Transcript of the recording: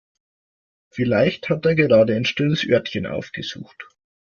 Vielleicht hat er gerade ein stilles Örtchen aufgesucht.